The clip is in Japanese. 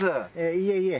いえいえ。